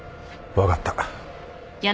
分かった。